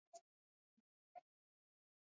آیا خپل هیواد جوړ کړو؟